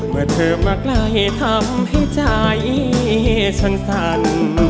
เมื่อเธอมาไกลทำให้ใจสั้น